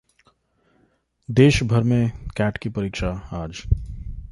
देश भर में कैट की परीक्षा आज